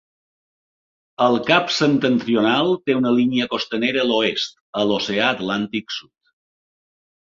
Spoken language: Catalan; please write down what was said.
El cap septentrional té una línia costanera a l'oest, a l'oceà Atlàntic Sud.